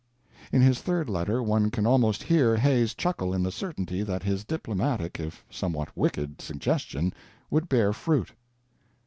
In his third letter one can almost hear Hay's chuckle in the certainty that his diplomatic, if somewhat wicked, suggestion would bear fruit.